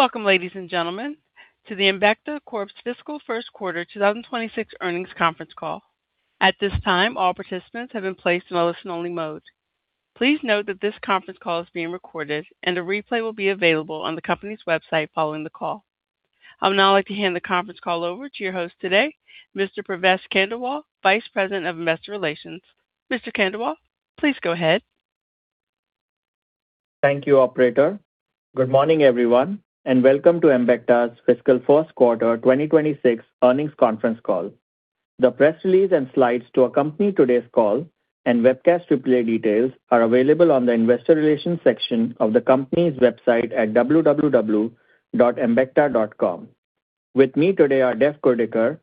Welcome, ladies and gentlemen, to the Embecta Corp.'s fiscal first quarter 2026 earnings conference call. At this time, all participants have been placed in a listen-only mode. Please note that this conference call is being recorded, and a replay will be available on the company's website following the call. I would now like to hand the conference call over to your host today, Mr. Pravesh Khandelwal, Vice President of Investor Relations. Mr. Khandelwal, please go ahead. Thank you, operator. Good morning, everyone, and welcome to Embecta's fiscal first quarter 2026 earnings conference call. The press release and slides to accompany today's call and webcast replay details are available on the investor relations section of the company's website at www.embecta.com. With me today are Dev Kurdikar,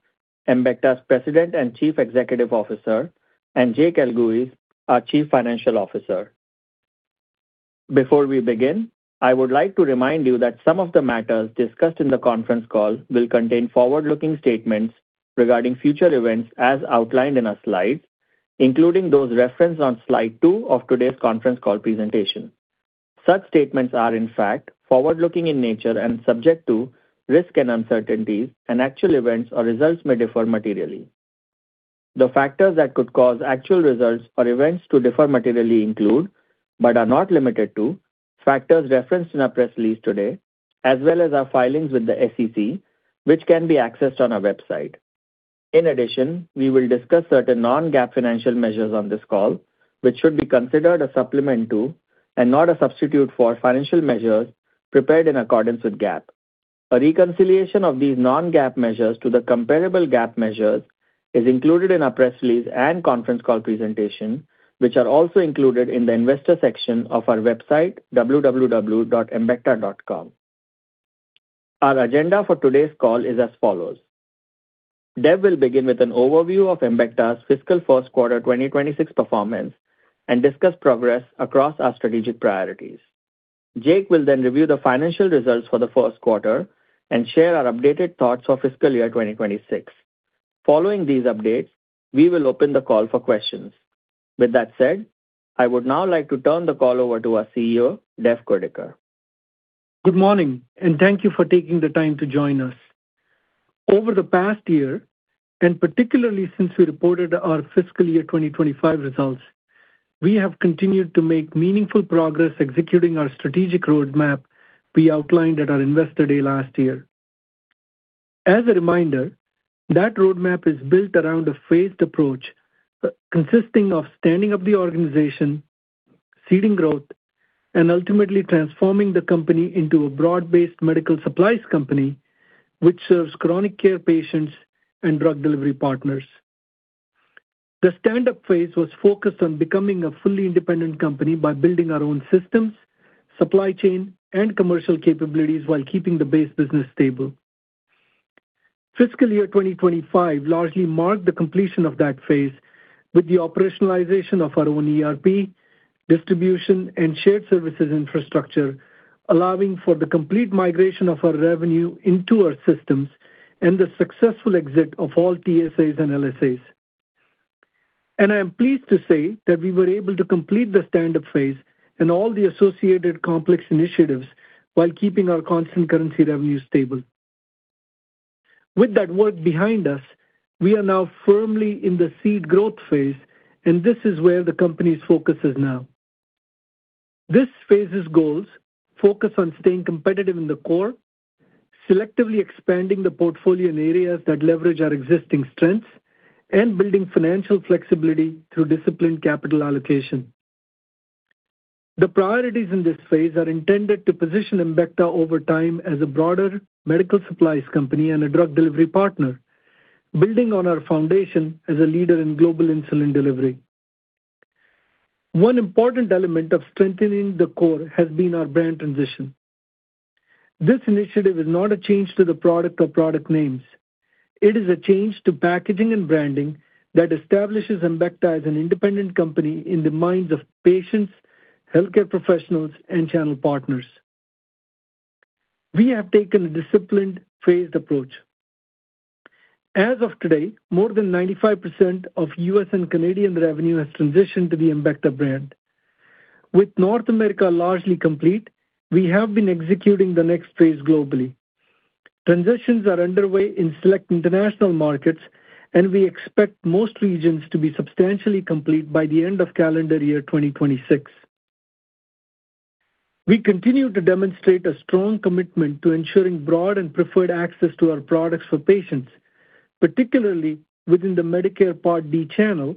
Embecta's President and Chief Executive Officer, and Jake Elguicze, our Chief Financial Officer. Before we begin, I would like to remind you that some of the matters discussed in the conference call will contain forward-looking statements regarding future events as outlined in our slides, including those referenced on slide 2 of today's conference call presentation. Such statements are, in fact, forward-looking in nature and subject to risk and uncertainties, and actual events or results may differ materially. The factors that could cause actual results or events to differ materially include, but are not limited to, factors referenced in our press release today, as well as our filings with the SEC, which can be accessed on our website. In addition, we will discuss certain non-GAAP financial measures on this call, which should be considered a supplement to and not a substitute for financial measures prepared in accordance with GAAP. A reconciliation of these non-GAAP measures to the comparable GAAP measures is included in our press release and conference call presentation, which are also included in the investor section of our website, www.embecta.com. Our agenda for today's call is as follows: Dev will begin with an overview of Embecta's fiscal first quarter 2026 performance and discuss progress across our strategic priorities. Jake will then review the financial results for the first quarter and share our updated thoughts for fiscal year 2026. Following these updates, we will open the call for questions. With that said, I would now like to turn the call over to our CEO, Dev Kurdikar. Good morning, and thank you for taking the time to join us. Over the past year, and particularly since we reported our fiscal year 2025 results, we have continued to make meaningful progress executing our strategic roadmap we outlined at our Investor Day last year. As a reminder, that roadmap is built around a phased approach, consisting of standing up the organization, seeding growth, and ultimately transforming the company into a broad-based medical supplies company, which serves chronic care patients and drug delivery partners. The stand-up phase was focused on becoming a fully independent company by building our own systems, supply chain, and commercial capabilities while keeping the base business stable. Fiscal year 2025 largely marked the completion of that phase with the operationalization of our own ERP, distribution, and shared services infrastructure, allowing for the complete migration of our revenue into our systems and the successful exit of all TSAs and LSAs. And I am pleased to say that we were able to complete the stand-up phase and all the associated complex initiatives while keeping our constant currency revenue stable. With that work behind us, we are now firmly in the seed growth phase, and this is where the company's focus is now. This phase's goals focus on staying competitive in the core, selectively expanding the portfolio in areas that leverage our existing strengths, and building financial flexibility through disciplined capital allocation. The priorities in this phase are intended to position Embecta over time as a broader medical supplies company and a drug delivery partner, building on our foundation as a leader in global insulin delivery. One important element of strengthening the core has been our brand transition. This initiative is not a change to the product or product names. It is a change to packaging and branding that establishes Embecta as an independent company in the minds of patients, healthcare professionals, and channel partners. We have taken a disciplined, phased approach. As of today, more than 95% of U.S. and Canadian revenue has transitioned to the Embecta brand. With North America largely complete, we have been executing the next phase globally. Transitions are underway in select international markets, and we expect most regions to be substantially complete by the end of calendar year 2026. We continue to demonstrate a strong commitment to ensuring broad and preferred access to our products for patients, particularly within the Medicare Part D channel,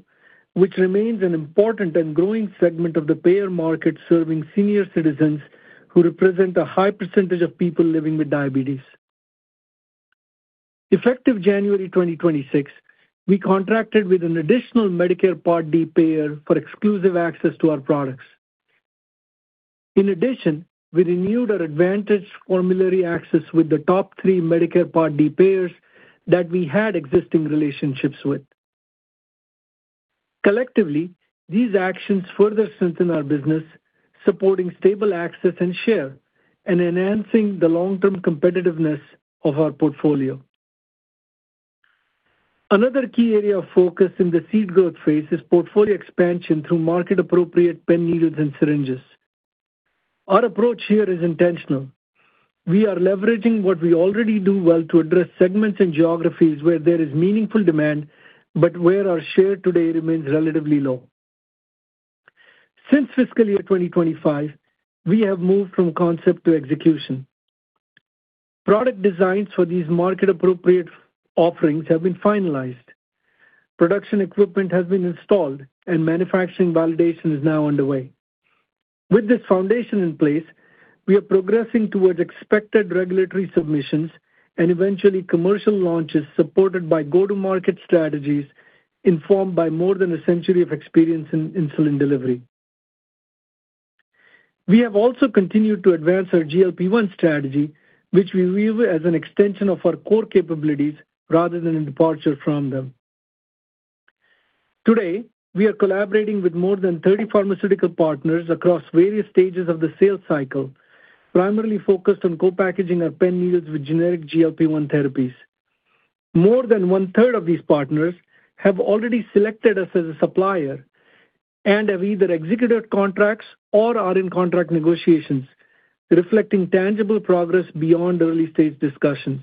which remains an important and growing segment of the payer market, serving senior citizens who represent a high percentage of people living with diabetes. Effective January 2026, we contracted with an additional Medicare Part D payer for exclusive access to our products. In addition, we renewed our advantaged formulary access with the top three Medicare Part D payers that we had existing relationships with. Collectively, these actions further strengthen our business, supporting stable access and share and enhancing the long-term competitiveness of our portfolio. Another key area of focus in the seed growth phase is portfolio expansion through market-appropriate pen needles and syringes. Our approach here is intentional. We are leveraging what we already do well to address segments and geographies where there is meaningful demand, but where our share today remains relatively low. Since fiscal year 2025, we have moved from concept to execution. Product designs for these market-appropriate offerings have been finalized. Production equipment has been installed, and manufacturing validation is now underway. With this foundation in place, we are progressing towards expected regulatory submissions and eventually commercial launches, supported by go-to-market strategies, informed by more than a century of experience in insulin delivery. We have also continued to advance our GLP-1 strategy, which we view as an extension of our core capabilities rather than a departure from them. Today, we are collaborating with more than 30 pharmaceutical partners across various stages of the sales cycle, primarily focused on co-packaging our pen needles with generic GLP-1 therapies. More than one-third of these partners have already selected us as a supplier and have either executed contracts or are in contract negotiations, reflecting tangible progress beyond early-stage discussions.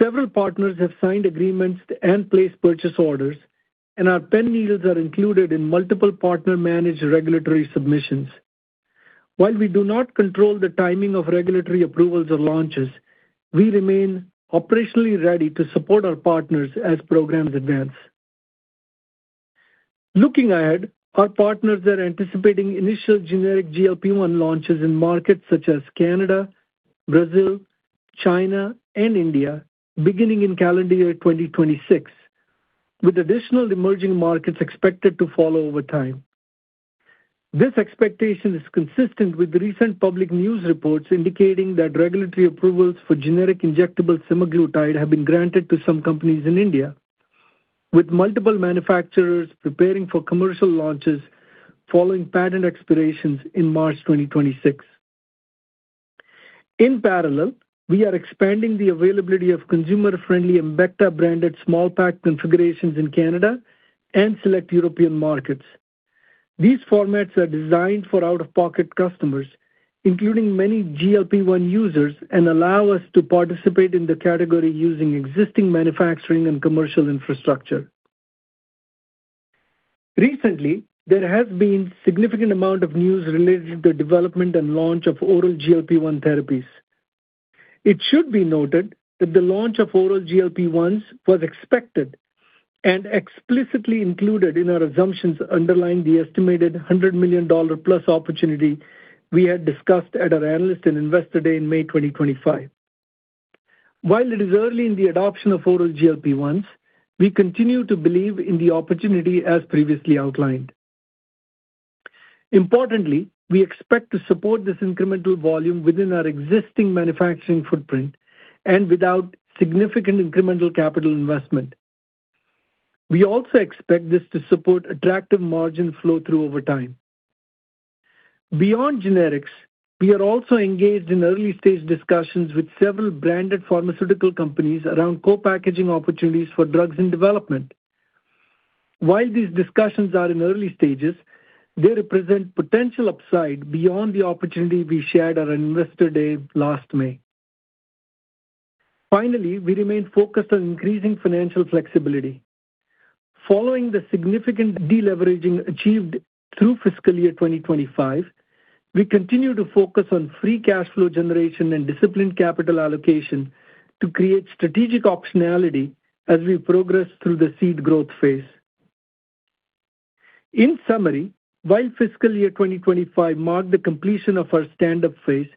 Several partners have signed agreements and placed purchase orders, and our pen needles are included in multiple partner-managed regulatory submissions. While we do not control the timing of regulatory approvals or launches, we remain operationally ready to support our partners as programs advance. Looking ahead, our partners are anticipating initial generic GLP-1 launches in markets such as Canada, Brazil, China, and India, beginning in calendar year 2026, with additional emerging markets expected to follow over time. This expectation is consistent with recent public news reports indicating that regulatory approvals for generic injectable semaglutide have been granted to some companies in India, with multiple manufacturers preparing for commercial launches following patent expirations in March 2026. In parallel, we are expanding the availability of consumer-friendly Embecta-branded small pack configurations in Canada and select European markets. These formats are designed for out-of-pocket customers, including many GLP-1 users, and allow us to participate in the category using existing manufacturing and commercial infrastructure. Recently, there has been significant amount of news related to the development and launch of oral GLP-1 therapies. It should be noted that the launch of oral GLP-1s was expected and explicitly included in our assumptions underlying the estimated $100 million-plus opportunity we had discussed at our Analyst and Investor Day in May 2025. While it is early in the adoption of oral GLP-1s, we continue to believe in the opportunity as previously outlined. Importantly, we expect to support this incremental volume within our existing manufacturing footprint and without significant incremental capital investment. We also expect this to support attractive margin flow-through over time. Beyond generics, we are also engaged in early-stage discussions with several branded pharmaceutical companies around co-packaging opportunities for drugs in development. While these discussions are in early stages, they represent potential upside beyond the opportunity we shared at our Investor Day last May. Finally, we remain focused on increasing financial flexibility. Following the significant deleveraging achieved through fiscal year 2025, we continue to focus on free cash flow generation and disciplined capital allocation to create strategic optionality as we progress through the seed growth phase. In summary, while fiscal year 2025 marked the completion of our stand-up phase,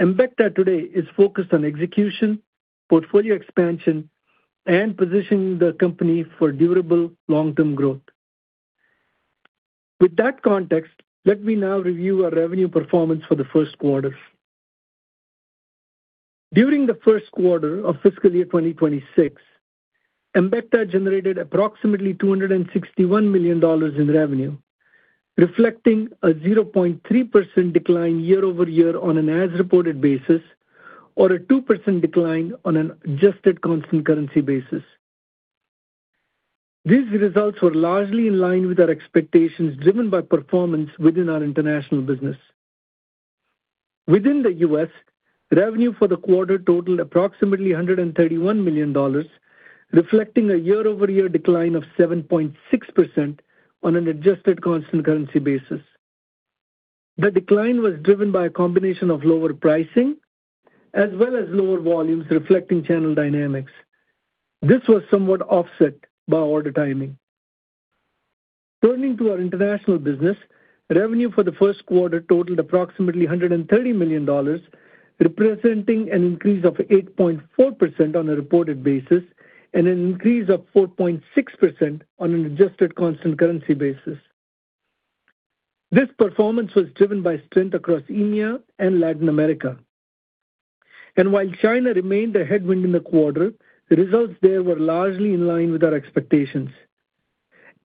Embecta today is focused on execution, portfolio expansion, and positioning the company for durable long-term growth. With that context, let me now review our revenue performance for the first quarter. During the first quarter of fiscal year 2026, Embecta generated approximately $261 million in revenue, reflecting a 0.3% decline year-over-year on an as-reported basis, or a 2% decline on an adjusted constant currency basis. These results were largely in line with our expectations, driven by performance within our international business. Within the U.S., revenue for the quarter totaled approximately $131 million, reflecting a year-over-year decline of 7.6% on an adjusted constant currency basis. The decline was driven by a combination of lower pricing as well as lower volumes, reflecting channel dynamics. This was somewhat offset by order timing. Turning to our international business, revenue for the first quarter totaled approximately $130 million, representing an increase of 8.4% on a reported basis and an increase of 4.6% on an adjusted constant currency basis. This performance was driven by strength across EMEA and Latin America. While China remained a headwind in the quarter, the results there were largely in line with our expectations....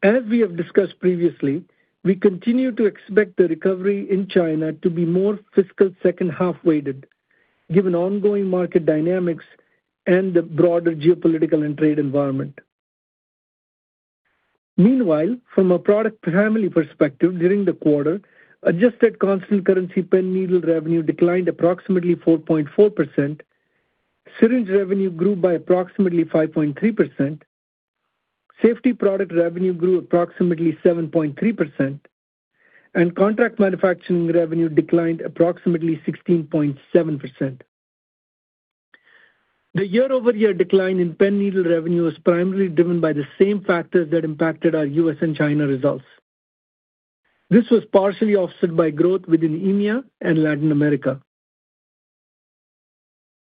As we have discussed previously, we continue to expect the recovery in China to be more fiscal second half-weighted, given ongoing market dynamics and the broader geopolitical and trade environment. Meanwhile, from a product family perspective, during the quarter, Adjusted Constant Currency pen needle revenue declined approximately 4.4%, syringe revenue grew by approximately 5.3%, safety product revenue grew approximately 7.3%, and contract manufacturing revenue declined approximately 16.7%. The year-over-year decline in pen needle revenue was primarily driven by the same factors that impacted our U.S. and China results. This was partially offset by growth within EMEA and Latin America.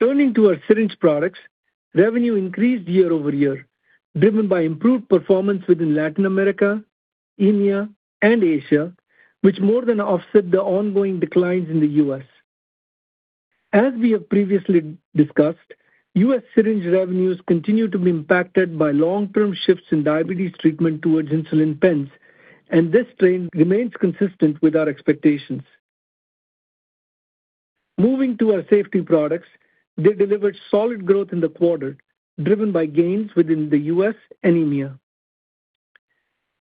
Turning to our syringe products, revenue increased year-over-year, driven by improved performance within Latin America, EMEA, and Asia, which more than offset the ongoing declines in the U.S. As we have previously discussed, U.S. syringe revenues continue to be impacted by long-term shifts in diabetes treatment towards insulin pens, and this trend remains consistent with our expectations. Moving to our safety products, they delivered solid growth in the quarter, driven by gains within the U.S. and EMEA.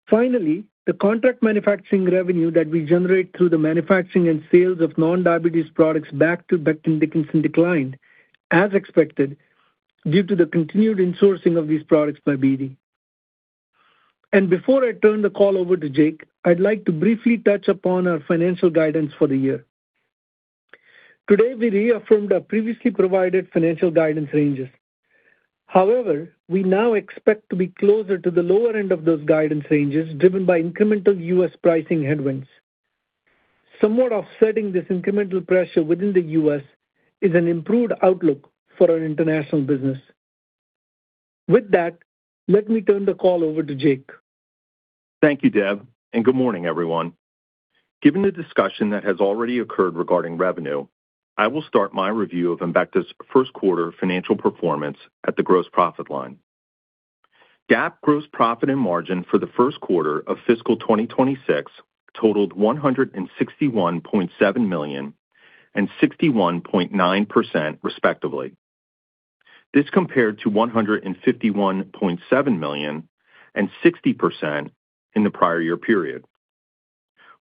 Finally, the contract manufacturing revenue that we generate through the manufacturing and sales of non-diabetes products back to Becton Dickinson declined, as expected, due to the continued insourcing of these products by BD. And before I turn the call over to Jake, I'd like to briefly touch upon our financial guidance for the year. Today, we reaffirmed our previously provided financial guidance ranges. However, we now expect to be closer to the lower end of those guidance ranges, driven by incremental U.S. pricing headwinds. Somewhat offsetting this incremental pressure within the U.S. is an improved outlook for our international business. With that, let me turn the call over to Jake. Thank you, Dev, and good morning, everyone. Given the discussion that has already occurred regarding revenue, I will start my review of Embecta's first quarter financial performance at the gross profit line. GAAP gross profit and margin for the first quarter of fiscal 2026 totaled $161.7 million and 61.9%, respectively. This compared to $151.7 million and 60% in the prior year period.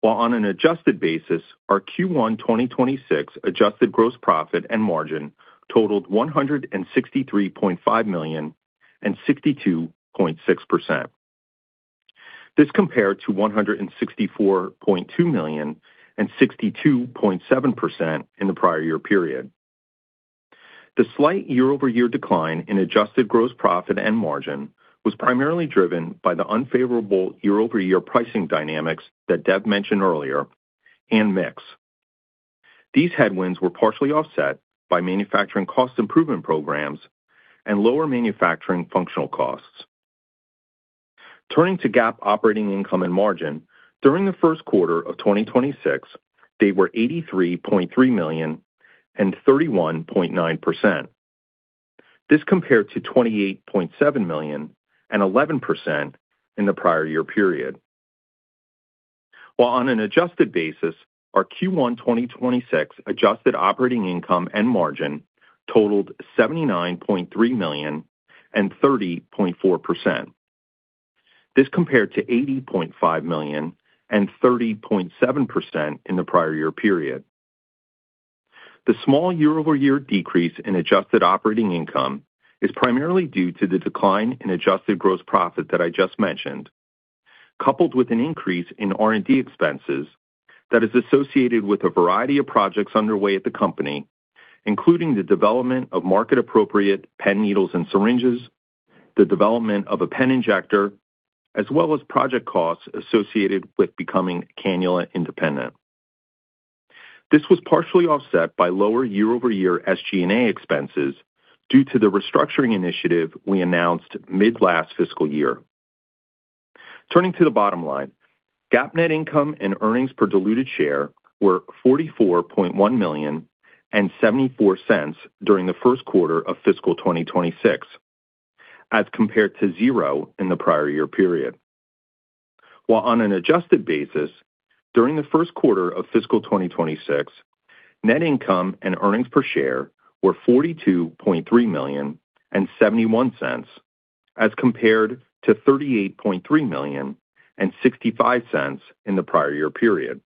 While on an adjusted basis, our Q1 2026 adjusted gross profit and margin totaled $163.5 million and 62.6%. This compared to $164.2 million and 62.7% in the prior year period. The slight year-over-year decline in adjusted gross profit and margin was primarily driven by the unfavorable year-over-year pricing dynamics that Dev mentioned earlier and mix. These headwinds were partially offset by manufacturing cost improvement programs and lower manufacturing functional costs. Turning to GAAP operating income and margin, during the first quarter of 2026, they were $83.3 million and 31.9%. This compared to $28.7 million and 11% in the prior year period. While on an adjusted basis, our Q1 2026 adjusted operating income and margin totaled $79.3 million and 30.4%. This compared to $80.5 million and 30.7% in the prior year period. The small year-over-year decrease in adjusted operating income is primarily due to the decline in adjusted gross profit that I just mentioned, coupled with an increase in R&D expenses that is associated with a variety of projects underway at the company, including the development of market-appropriate pen needles and syringes, the development of a pen injector, as well as project costs associated with becoming cannula independent. This was partially offset by lower year-over-year SG&A expenses due to the restructuring initiative we announced mid-last fiscal year. Turning to the bottom line, GAAP net income and earnings per diluted share were $44.1 million and $0.74 during the first quarter of fiscal 2026, as compared to zero in the prior year period. While on an adjusted basis, during the first quarter of fiscal 2026, net income and earnings per share were $42.3 million and $0.71, as compared to $38.3 million and $0.65 in the prior year period.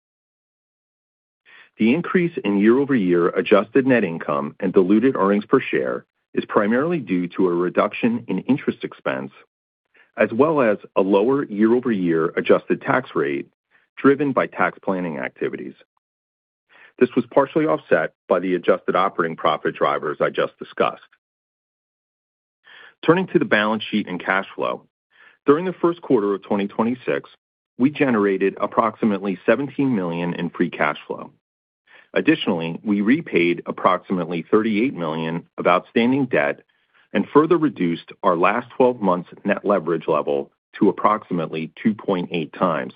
The increase in year-over-year adjusted net income and diluted earnings per share is primarily due to a reduction in interest expense, as well as a lower year-over-year adjusted tax rate driven by tax planning activities. This was partially offset by the adjusted operating profit drivers I just discussed. Turning to the balance sheet and cash flow. During the first quarter of 2026, we generated approximately $17 million in free cash flow. Additionally, we repaid approximately $38 million of outstanding debt and further reduced our last 12 months net leverage level to approximately 2.8 times,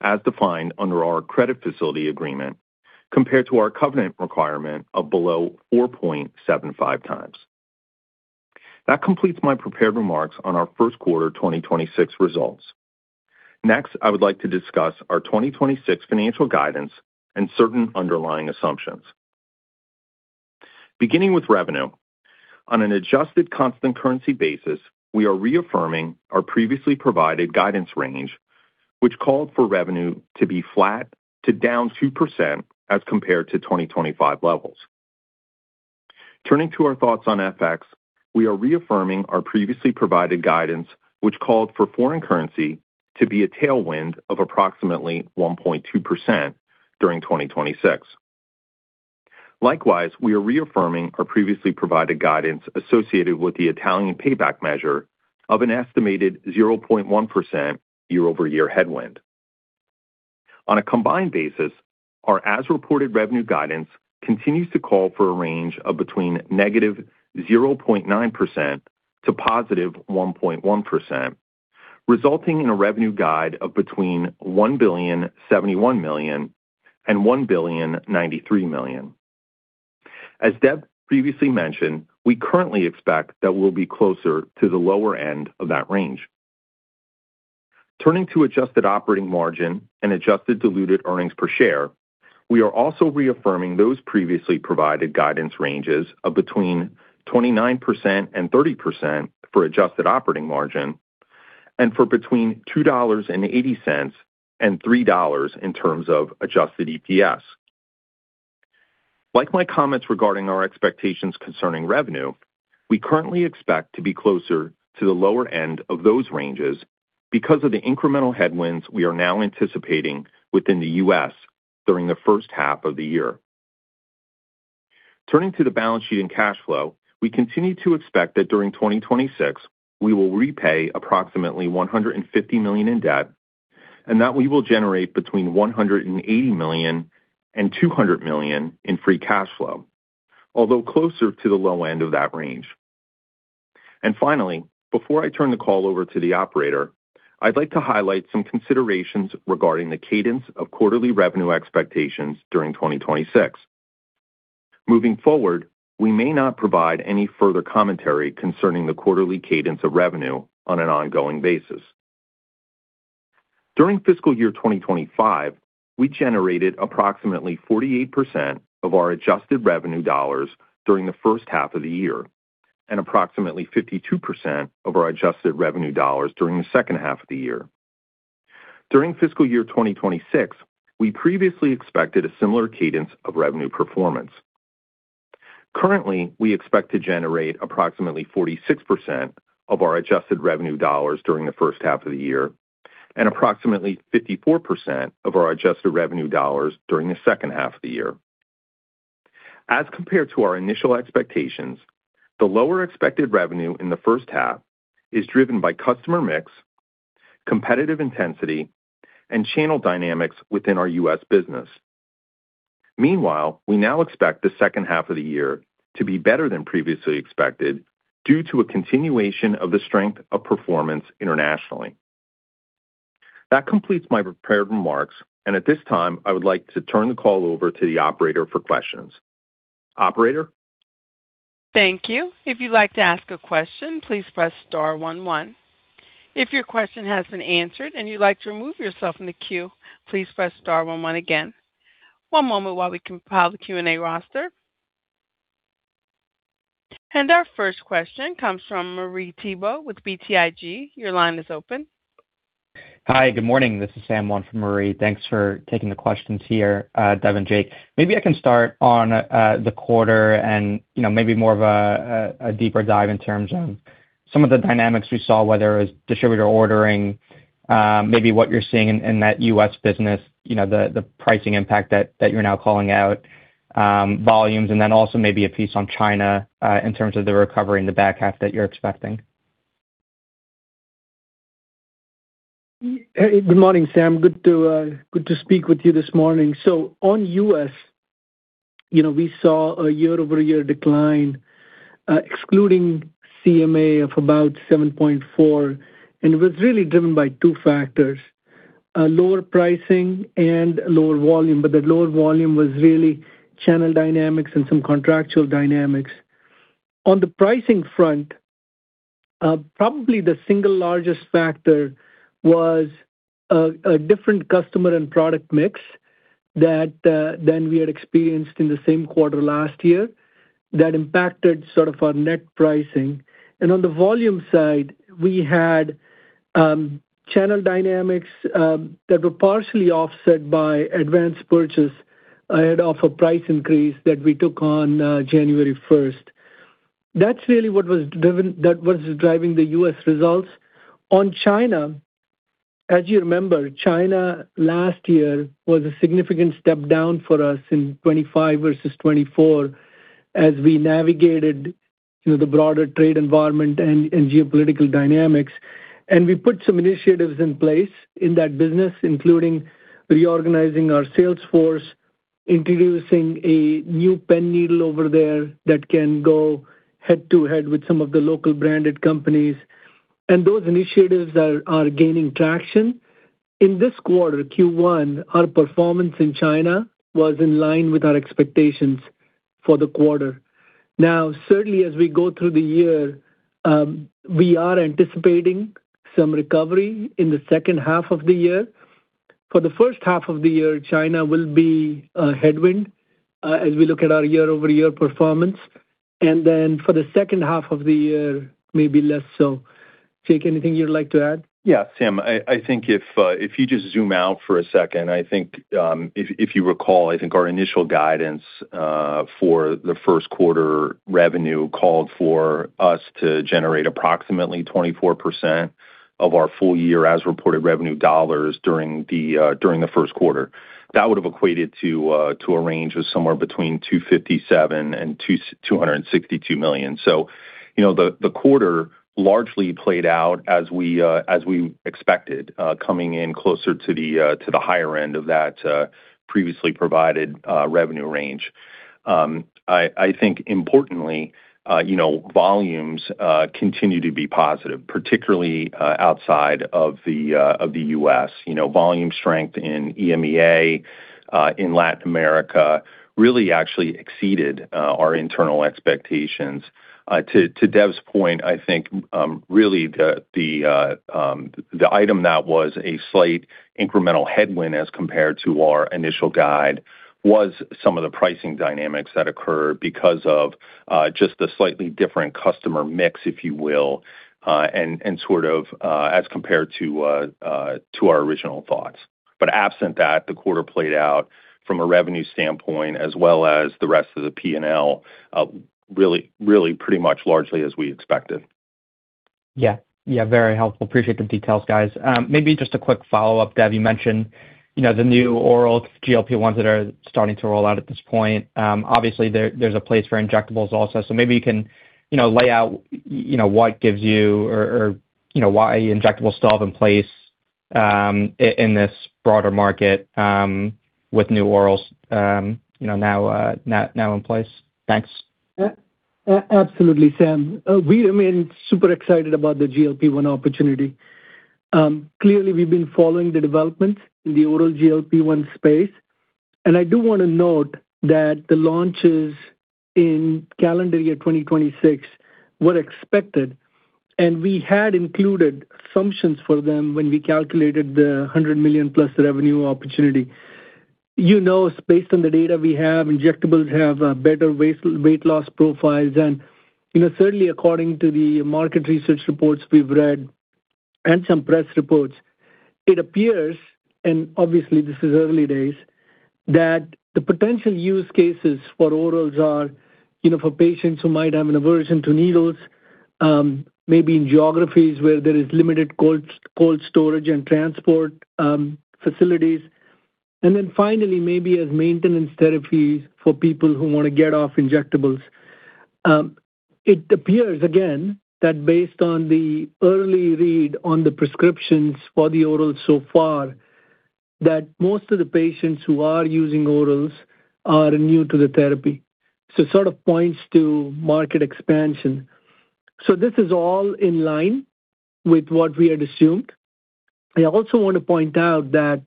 as defined under our credit facility agreement, compared to our covenant requirement of below 4.75 times. That completes my prepared remarks on our first quarter 2026 results. Next, I would like to discuss our 2026 financial guidance and certain underlying assumptions. Beginning with revenue, on an adjusted constant currency basis, we are reaffirming our previously provided guidance range, which called for revenue to be flat to down 2% as compared to 2025 levels. Turning to our thoughts on FX, we are reaffirming our previously provided guidance, which called for foreign currency to be a tailwind of approximately 1.2% during 2026. Likewise, we are reaffirming our previously provided guidance associated with the Italian payback measure of an estimated 0.1% year-over-year headwind. On a combined basis, our as-reported revenue guidance continues to call for a range of between -0.9% to +1.1%, resulting in a revenue guide of between $1.071 billion and $1.093 billion. As Dev previously mentioned, we currently expect that we'll be closer to the lower end of that range. Turning to adjusted operating margin and adjusted diluted earnings per share, we are also reaffirming those previously provided guidance ranges of between 29% and 30% for adjusted operating margin and for between $2.80 and $3 in terms of adjusted EPS. Like my comments regarding our expectations concerning revenue, we currently expect to be closer to the lower end of those ranges because of the incremental headwinds we are now anticipating within the U.S. during the first half of the year. Turning to the balance sheet and cash flow, we continue to expect that during 2026, we will repay approximately $150 million in debt and that we will generate between $180 million and $200 million in free cash flow, although closer to the low end of that range. And finally, before I turn the call over to the operator, I'd like to highlight some considerations regarding the cadence of quarterly revenue expectations during 2026. Moving forward, we may not provide any further commentary concerning the quarterly cadence of revenue on an ongoing basis. During fiscal year 2025, we generated approximately 48% of our adjusted revenue dollars during the first half of the year and approximately 52% of our adjusted revenue dollars during the second half of the year. During fiscal year 2026, we previously expected a similar cadence of revenue performance. Currently, we expect to generate approximately 46% of our adjusted revenue dollars during the first half of the year and approximately 54% of our adjusted revenue dollars during the second half of the year. As compared to our initial expectations, the lower expected revenue in the first half is driven by customer mix, competitive intensity, and channel dynamics within our U.S. business. Meanwhile, we now expect the second half of the year to be better than previously expected, due to a continuation of the strength of performance internationally. That completes my prepared remarks, and at this time, I would like to turn the call over to the operator for questions. Operator? Thank you. If you'd like to ask a question, please press star one, one. If your question has been answered and you'd like to remove yourself from the queue, please press star one one again. One moment while we compile the Q&A roster. And our first question comes from Marie Thibault with BTIG. Your line is open. Hi, good morning. This is Sam, one from Marie. Thanks for taking the questions here, Dev and Jake. Maybe I can start on the quarter and, you know, maybe more of a deeper dive in terms of some of the dynamics we saw, whether it was distributor ordering, maybe what you're seeing in that U.S. business, you know, the pricing impact that you're now calling out, volumes, and then also maybe a piece on China in terms of the recovery in the back half that you're expecting. Hey, good morning, Sam. Good to speak with you this morning. So on U.S., you know, we saw a year-over-year decline, excluding CMA of about 7.4, and it was really driven by two factors, lower pricing and lower volume. But the lower volume was really channel dynamics and some contractual dynamics. On the pricing front, probably the single largest factor was a different customer and product mix than we had experienced in the same quarter last year. That impacted sort of our net pricing. And on the volume side, we had channel dynamics that were partially offset by advanced purchase ahead of a price increase that we took on January first. That's really what was driving the U.S. results. On China, as you remember, China last year was a significant step down for us in 2025 versus 2024, as we navigated, you know, the broader trade environment and, and geopolitical dynamics. We put some initiatives in place in that business, including reorganizing our sales force, introducing a new pen needle over there that can go head-to-head with some of the local branded companies. Those initiatives are, are gaining traction. In this quarter, Q1, our performance in China was in line with our expectations for the quarter. Now, certainly, as we go through the year, we are anticipating some recovery in the second half of the year. For the first half of the year, China will be a headwind, as we look at our year-over-year performance, and then for the second half of the year, maybe less so. Jake, anything you'd like to add? Yeah, Sam, I think if you just zoom out for a second, I think if you recall, I think our initial guidance for the first quarter revenue called for us to generate approximately 24% of our full year as reported revenue dollars during the first quarter. That would have equated to a range of somewhere between $257 million and $262 million. So, you know, the quarter largely played out as we expected, coming in closer to the higher end of that previously provided revenue range. I think importantly, you know, volumes continue to be positive, particularly outside of the US. You know, volume strength in EMEA, in Latin America, really actually exceeded our internal expectations. To Dev's point, I think, really the item that was a slight incremental headwind as compared to our initial guide was some of the pricing dynamics that occurred because of just a slightly different customer mix, if you will, and sort of as compared to our original thoughts. But absent that, the quarter played out from a revenue standpoint, as well as the rest of the P&L, really really pretty much largely as we expected. Yeah. Yeah, very helpful. Appreciate the details, guys. Maybe just a quick follow-up, Dev. You mentioned, you know, the new oral GLP-1s that are starting to roll out at this point. Obviously, there's a place for injectables also. So maybe you can, you know, lay out, you know, what gives you or, you know, why injectables still have in place, in this broader market, with new orals, you know, now in place? Thanks. Absolutely, Sam. We remain super excited about the GLP-1 opportunity. Clearly, we've been following the developments in the oral GLP-1 space, and I do wanna note that the launches in calendar year 2026 were expected, and we had included assumptions for them when we calculated the $100 million-plus revenue opportunity. You know, based on the data we have, injectables have better weight loss profiles. You know, certainly according to the market research reports we've read and some press reports, it appears, and obviously this is early days, that the potential use cases for orals are, you know, for patients who might have an aversion to needles, maybe in geographies where there is limited cold storage and transport facilities, and then finally, maybe as maintenance therapies for people who want to get off injectables. It appears again, that based on the early read on the prescriptions for the oral so far, that most of the patients who are using orals are new to the therapy. So sort of points to market expansion. So this is all in line with what we had assumed. I also want to point out that,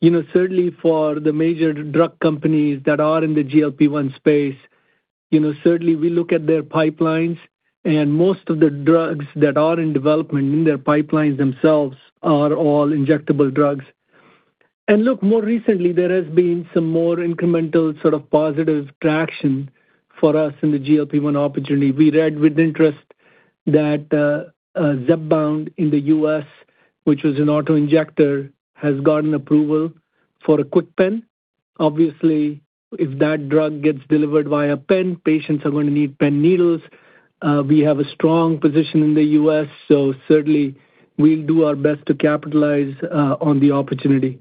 you know, certainly for the major drug companies that are in the GLP-1 space, you know, certainly we look at their pipelines, and most of the drugs that are in development in their pipelines themselves are all injectable drugs. And look, more recently, there has been some more incremental sort of positive traction for us in the GLP-1 opportunity. We read with interest that, Zepbound in the U.S., which was an auto-injector, has gotten approval for a KwikPen. Obviously, if that drug gets delivered via pen, patients are going to need pen needles. We have a strong position in the U.S., so certainly we'll do our best to capitalize on the opportunity.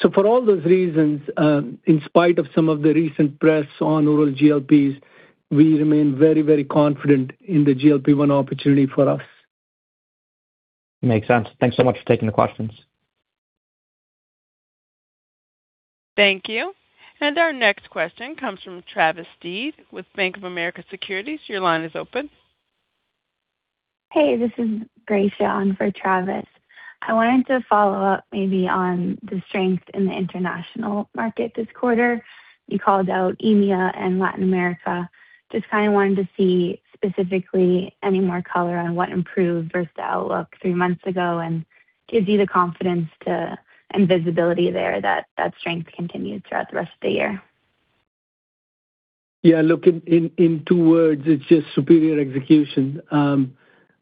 So for all those reasons, in spite of some of the recent press on oral GLPs, we remain very, very confident in the GLP-1 opportunity for us. Makes sense. Thanks so much for taking the questions. Thank you. Our next question comes from Travis Steed with Bank of America Securities. Your line is open. Hey, this is Gracia on for Travis. I wanted to follow up maybe on the strength in the international market this quarter. You called out EMEA and Latin America. Just kind of wanted to see specifically any more color on what improved versus the outlook three months ago and gives you the confidence to... and visibility there, that that strength continues throughout the rest of the year. Yeah, look, in two words, it's just superior execution.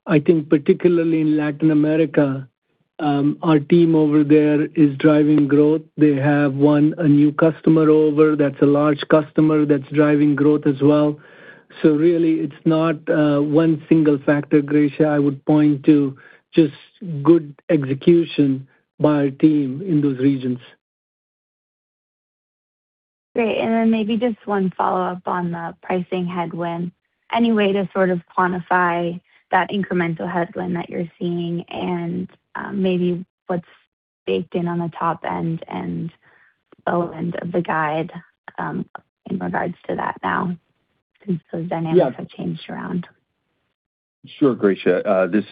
I think particularly in Latin America, our team over there is driving growth. They have won a new customer over, that's a large customer that's driving growth as well. So really, it's not one single factor, Gracia. I would point to just good execution by our team in those regions. Great. And then maybe just one follow-up on the pricing headwind. Any way to sort of quantify that incremental headwind that you're seeing and, maybe what's baked in on the top end and low end of the guide, in regards to that now, since those dynamics- Yeah. have changed around? ... Sure, Gracia. This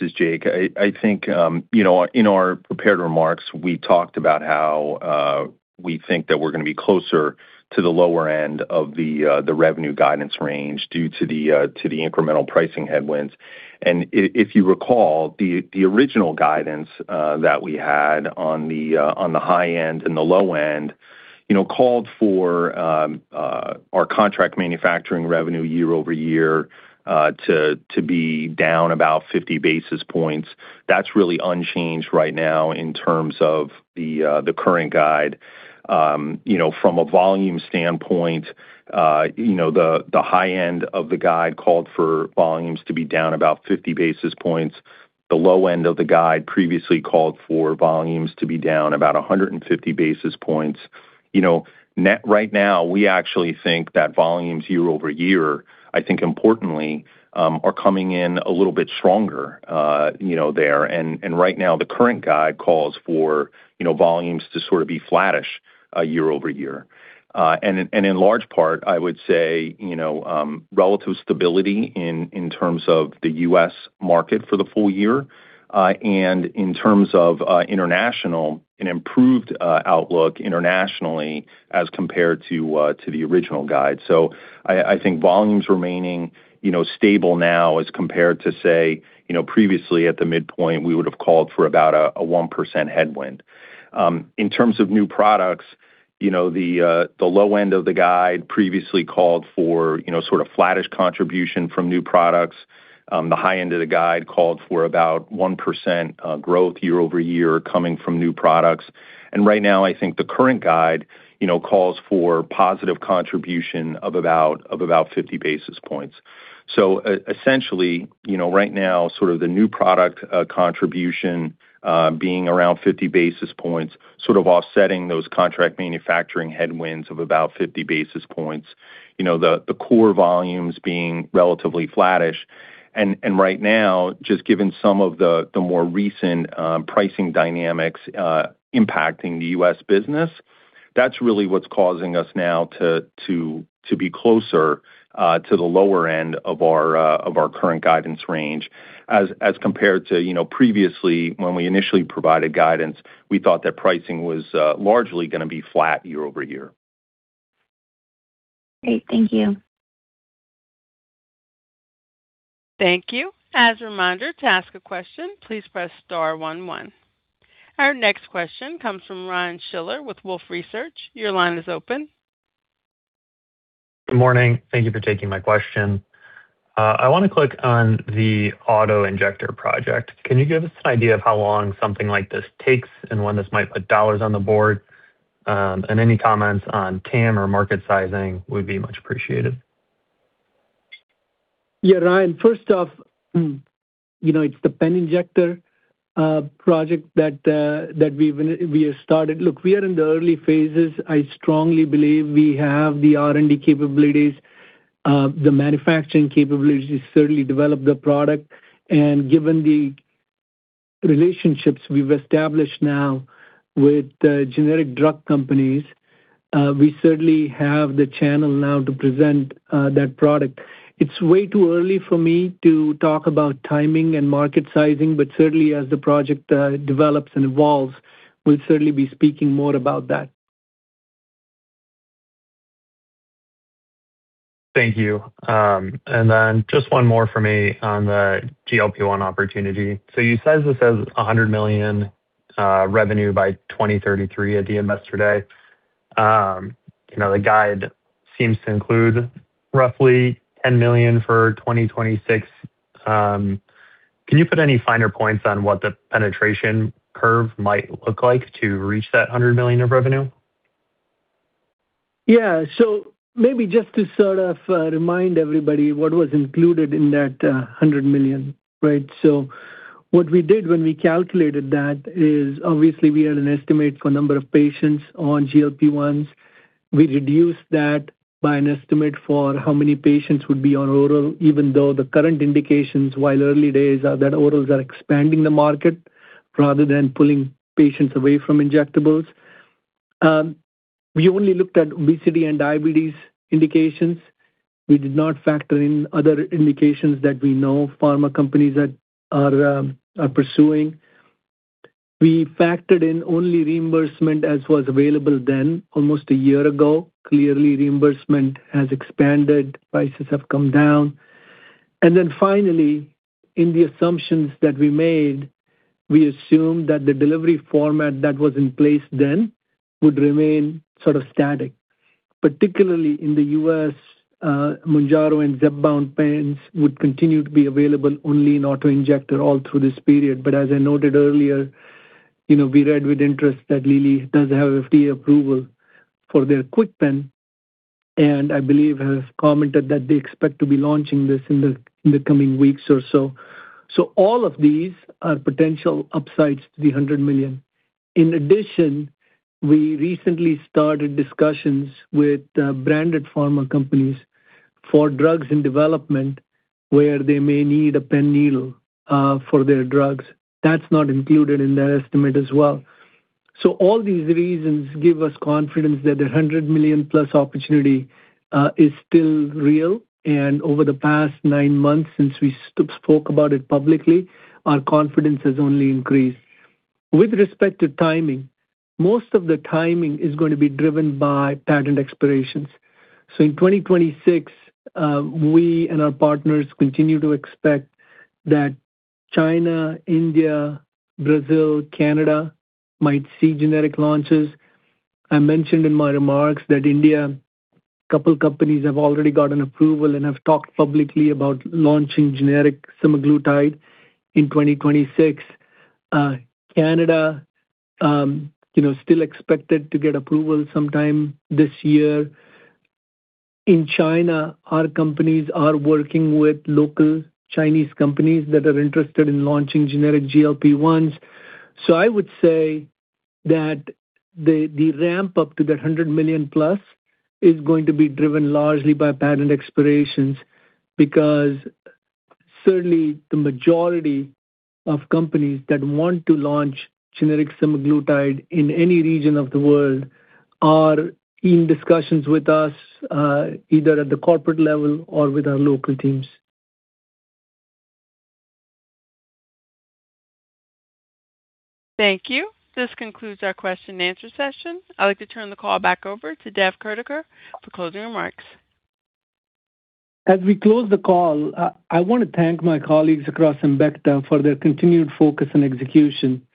is Jake. I think, you know, in our prepared remarks, we talked about how we think that we're going to be closer to the lower end of the revenue guidance range due to the incremental pricing headwinds. And if you recall, the original guidance that we had on the high end and the low end, you know, called for our contract manufacturing revenue year over year to be down about 50 basis points. That's really unchanged right now in terms of the current guide. You know, from a volume standpoint, you know, the high end of the guide called for volumes to be down about 50 basis points. The low end of the guide previously called for volumes to be down about 150 basis points. You know, net right now, we actually think that volumes year-over-year, I think importantly, are coming in a little bit stronger, you know, there. And right now, the current guide calls for, you know, volumes to sort of be flattish, year-over-year. And in large part, I would say, you know, relative stability in terms of the U.S. market for the full year, and in terms of international, an improved outlook internationally as compared to the original guide. So I think volumes remaining, you know, stable now as compared to, say, you know, previously at the midpoint, we would have called for about a 1% headwind. In terms of new products, you know, the low end of the guide previously called for, you know, sort of flattish contribution from new products. The high end of the guide called for about 1%, growth year-over-year coming from new products. And right now, I think the current guide, you know, calls for positive contribution of about 50 basis points. So essentially, you know, right now, sort of the new product contribution being around 50 basis points, sort of offsetting those contract manufacturing headwinds of about 50 basis points, you know, the core volumes being relatively flattish. Right now, just given some of the more recent pricing dynamics impacting the U.S. business, that's really what's causing us now to be closer to the lower end of our current guidance range. As compared to, you know, previously, when we initially provided guidance, we thought that pricing was largely going to be flat year-over-year. Great. Thank you. Thank you. As a reminder, to ask a question, please press star one, one. Our next question comes from Ryan Schiller with Wolfe Research. Your line is open. Good morning. Thank you for taking my question. I want to click on the auto-injector project. Can you give us an idea of how long something like this takes and when this might put dollars on the board? And any comments on TAM or market sizing would be much appreciated. Yeah, Ryan, first off, you know, it's the pen injector project that we have started. Look, we are in the early phases. I strongly believe we have the R&D capabilities, the manufacturing capabilities to certainly develop the product, and given the relationships we've established now with the generic drug companies, we certainly have the channel now to present that product. It's way too early for me to talk about timing and market sizing, but certainly as the project develops and evolves, we'll certainly be speaking more about that. Thank you. And then just one more for me on the GLP-1 opportunity. So you sized this as $100 million revenue by 2033 at the Investor Day. You know, the guide seems to include roughly $10 million for 2026. Can you put any finer points on what the penetration curve might look like to reach that $100 million of revenue? Yeah. So maybe just to sort of remind everybody what was included in that $100 million, right? So what we did when we calculated that is, obviously, we had an estimate for number of patients on GLP-1. We reduced that by an estimate for how many patients would be on oral, even though the current indications, while early days, are that orals are expanding the market rather than pulling patients away from injectables. We only looked at obesity and diabetes indications. We did not factor in other indications that we know pharma companies are pursuing. We factored in only reimbursement as was available then, almost a year ago. Clearly, reimbursement has expanded, prices have come down. And then finally, in the assumptions that we made, we assumed that the delivery format that was in place then would remain sort of static, particularly in the U.S., Mounjaro and Zepbound pens would continue to be available only in auto-injector all through this period. But as I noted earlier, you know, we read with interest that Lilly does have FDA approval for their KwikPen, and I believe have commented that they expect to be launching this in the coming weeks or so. So all of these are potential upsides to the $100 million. In addition, we recently started discussions with branded pharma companies for drugs in development, where they may need a pen needle for their drugs. That's not included in that estimate as well. ... So all these reasons give us confidence that the 100 million-plus opportunity is still real. And over the past nine months, since we spoke about it publicly, our confidence has only increased. With respect to timing, most of the timing is going to be driven by patent expirations. So in 2026, we and our partners continue to expect that China, India, Brazil, Canada, might see generic launches. I mentioned in my remarks that India, a couple companies have already gotten approval and have talked publicly about launching generic Semaglutide in 2026. Canada, you know, still expected to get approval sometime this year. In China, our companies are working with local Chinese companies that are interested in launching generic GLP-1s. I would say that the ramp up to the $100 million-plus is going to be driven largely by patent expirations, because certainly the majority of companies that want to launch generic Semaglutide in any region of the world are in discussions with us, either at the corporate level or with our local teams. Thank you. This concludes our question and answer session. I'd like to turn the call back over to Dev Kurdikar for closing remarks. As we close the call, I want to thank my colleagues across Embecta for their continued focus and execution.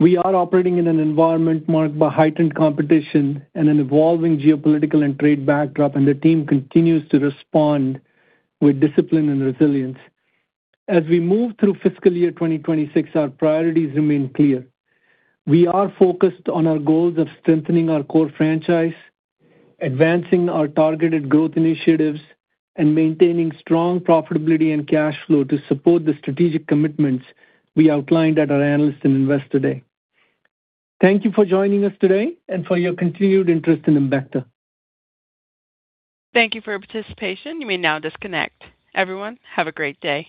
We are operating in an environment marked by heightened competition and an evolving geopolitical and trade backdrop, and the team continues to respond with discipline and resilience. As we move through fiscal year 2026, our priorities remain clear. We are focused on our goals of strengthening our core franchise, advancing our targeted growth initiatives, and maintaining strong profitability and cash flow to support the strategic commitments we outlined at our Analyst and Investor Day. Thank you for joining us today and for your continued interest in Embecta. Thank you for your participation. You may now disconnect. Everyone, have a great day.